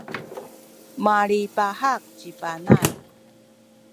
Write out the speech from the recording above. malipahak ci Panay.